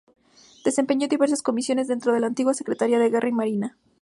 Desempeñó diversas comisiones dentro de la antigua Secretaría de Guerra y Marina.